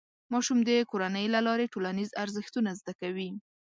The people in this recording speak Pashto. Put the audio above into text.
ماشوم د کورنۍ له لارې ټولنیز ارزښتونه زده کوي.